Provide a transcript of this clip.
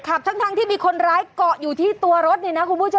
ทั้งที่มีคนร้ายเกาะอยู่ที่ตัวรถนี่นะคุณผู้ชม